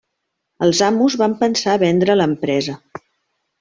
Els amos van pensar a vendre l'empresa.